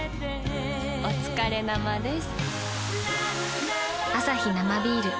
おつかれ生です。